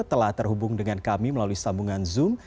telah terhubung dengan kami melalui sambungan zoom